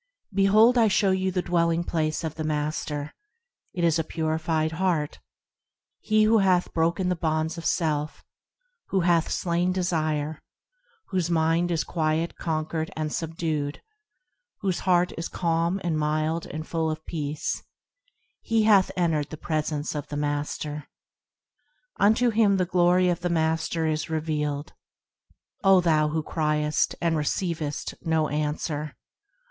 Behold I show you the dwelling place of the Master,– It is a purified heart, He who hath broken the bonds of self, Who hath slain desire, Whose mind is quiet, conquered, and subdued, Whose heart is calm and mild and full of peace, He hath entered the presence df the Master, Unto him the glory of the Master is revealed. O thou who criest and receivest no answer